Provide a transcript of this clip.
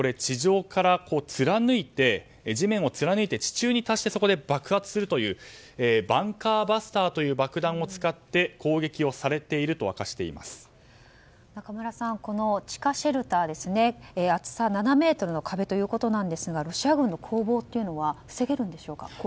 これは、地面を貫いて地中に達してそこで爆発するというバンカーバスターという爆弾を使って攻撃されていると中村さん、地下シェルター厚さ７ｍの壁ということですがロシア軍の攻撃は防げるんでしょうか。